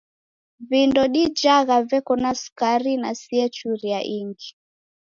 Vindo dijagha veko na sukari na siechuria ingi.